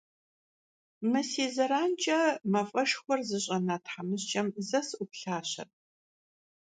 Мы си зэранкӏэ мафӏэшхуэр зыщӏэна тхьэмыщкӏэм зэ сыӏуплъащэрэт.